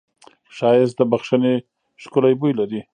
ښایست د بښنې ښکلی بوی لري